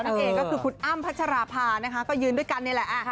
นั่นเองก็คือคุณอ้ำพัชราภานะคะก็ยืนด้วยกันนี่แหละ